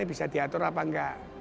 bisa diatur apa enggak